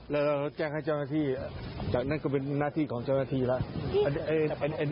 แล้วเราแจ้งให้เจ้าหน้าที่จากนั่นก็เป็นหน้าที่ของเจ้าหน้าที่แล้ว